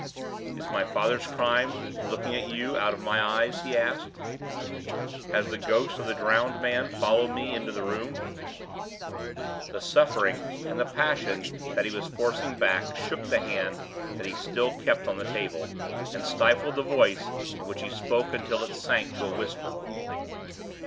"Is my father's crime looking at you out of my eyes?" he asked. "Has the ghost of the drowned man followed me into the room?" The suffering and the passion that he was forcing back shook the hand that he still kept on the table, and stifled the voice in which he spoke until it sank to a whisper.